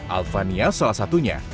alphania salah satunya